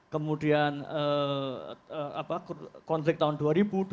jadi ada pola konflik berhenti konflik berhenti terus menerus